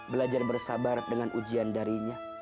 belajar bersabar dengan ujian darinya